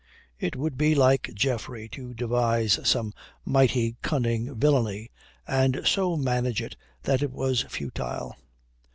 It would be like Geoffrey to devise some mighty cunning villainy and so manage it that it was futile.